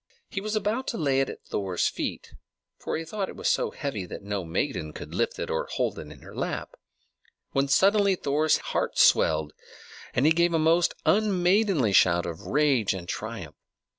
He was about to lay it at Thor's feet (for he thought it so heavy that no maiden could lift it or hold it in her lap), when suddenly Thor's heart swelled, and he gave a most unmaidenly shout of rage and triumph.